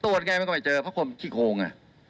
ยังไงมันก็ไม่เจอเพราะคนขี้โคง